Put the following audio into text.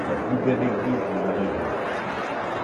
La plus belle église de la région.